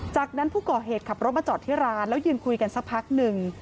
จากนั้นผู้ก่อเหตุขับรถมาจอดที่ร้านแล้วยืนคุยกันสักพักหนึ่ง